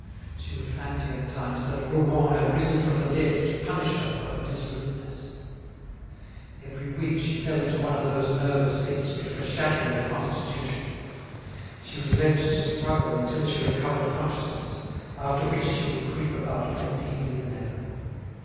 She would fancy at times that Rougon had risen from the dead to punish her for her dissoluteness. Every week she fell into one of those nervous fits which were shattering her constitution. She was left to struggle until she recovered consciousness, after which she would creep about more feebly than ever.